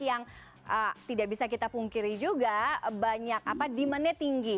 yang tidak bisa kita pungkiri juga dimana tinggi